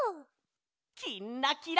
「きんらきら」。